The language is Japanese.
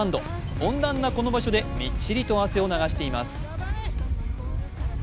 温暖なこの場所でみっちりと汗を流しています。